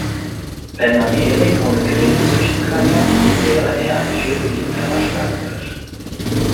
Wenn man Hering ohne Gräten züchten könnte, wäre er ein viel beliebterer Speisefisch.